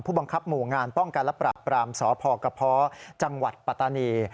ผู้บังคับหมู่งานป้องการลับปรับปรามสพกภจังหวัดปะตาเนย